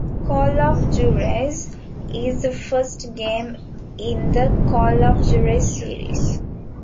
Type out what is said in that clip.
"Call of Juarez" is the first game in the "Call of Juarez" series.